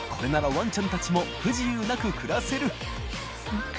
ワンちゃんたちも不自由なく暮らせる緑川）